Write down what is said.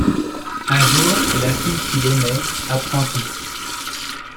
Un jour la fille qu'il aimait apprend tout.